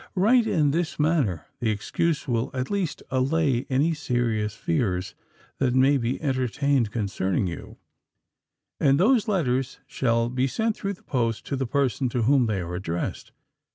Write in this manner—the excuse will at least allay any serious fears that may be entertained concerning you; and those letters shall be sent through the post to the persons to whom they are addressed.